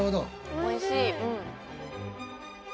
おいしい。